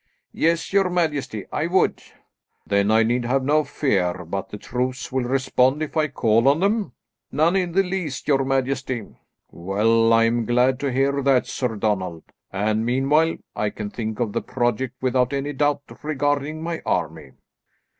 "Yes, your majesty, I would." "Then I need have no fear but the troops will respond if I call on them?" "None in the least, your majesty." "Well, I am glad to hear that, Sir Donald, and, meanwhile, I can think of the project without any doubt regarding my army."